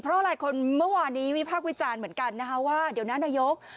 เพราะหลายคนเมื่อวานนี้วิพากษ์วิจารณ์เหมือนกันนะคะว่าเดี๋ยวนะนายก